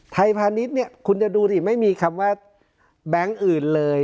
พาณิชย์เนี่ยคุณจะดูดิไม่มีคำว่าแบงค์อื่นเลย